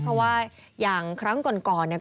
เพราะว่าอย่างครั้งก่อนเนี่ย